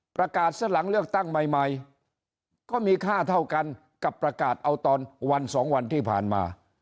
ประกาศซะหลังเลือกตั้งใหม่ก็มีค่าเท่ากันกับประกาศเอาตอนวันสองวันที่ผ่านมา